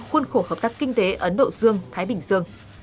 khuôn khổ hợp tác kinh tế ấn độ dương thái bình dương